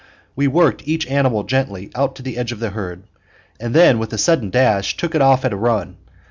We worked each animal gently out to the edge of the herd, and then with a sudden dash took it off at a run.